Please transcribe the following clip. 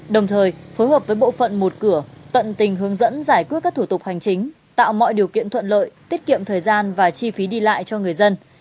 đồng thời phối hợp với bộ phận một cửa tận tình hướng dẫn giải quyết các thủ tục hành chính tạo mọi điều kiện thuận lợi tiết kiệm thời gian và chi phí đi lại cho người dân